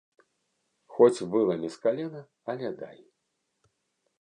Хоць выламі з калена, але дай.